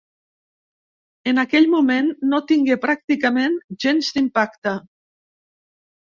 En aquell moment no tingué pràcticament gens d'impacte.